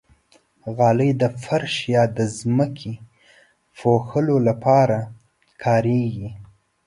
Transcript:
غالۍ د فرش یا ځمکې پوښلو لپاره کارېږي.